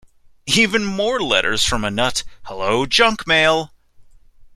Even More Letters from a Nut", "Hello Junk Mail!